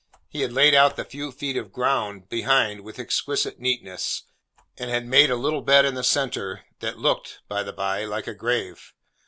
He had laid out the few feet of ground, behind, with exquisite neatness, and had made a little bed in the centre, that looked, by the bye, like a grave.